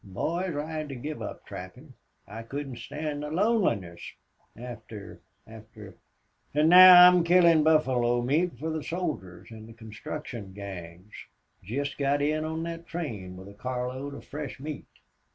Boys, I hed to give up trappin'. I couldn't stand the loneliness after after... An' now I'm killin' buffalo meat for the soldiers an' the construction gangs. Jest got in on thet train with a car load of fresh meat."